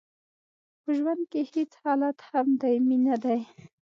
په ژوند کې هیڅ حالت هم دایمي نه دی.